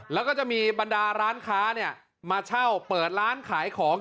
แล้วก็จะมีบรรดาร้านค้ามาเช่าเปิดร้านขายของ